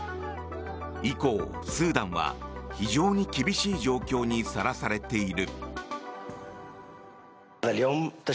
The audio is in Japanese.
以降、スーダンは非常に厳しい状況にさらされている。